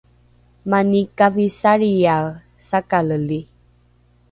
mani kavisariae sakaleli